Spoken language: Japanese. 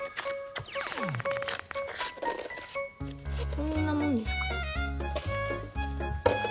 こんなもんですか。